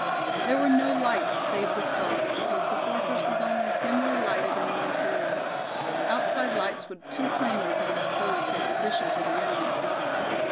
There were no lights save the stars, since the fortress was only dimly lighted in the interior; outside lights would too plainly have exposed their position to the enemy.